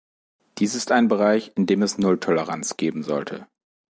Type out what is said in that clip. Dies ist ein Bereich, in dem es "Null-Toleranz" geben sollte.